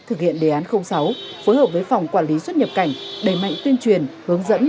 với đề án sáu phối hợp với phòng quản lý xuất nhập cảnh đẩy mạnh tuyên truyền hướng dẫn